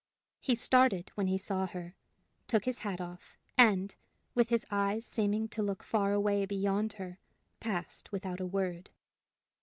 He started when he saw her, took his hat off, and, with his eyes seeming to look far away beyond her, passed without a word.